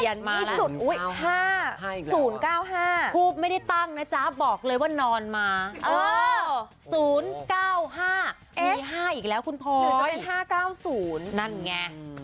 ที่สุด๕๐๙๕ทูบไม่ได้ตั้งนะจ๊ะบอกเลยว่านอนมา๐๙๕อีกแล้วคุณพอจะเป็น๕๙๐นั่นไง